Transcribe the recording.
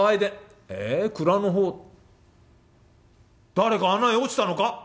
誰か穴へ落ちたのか？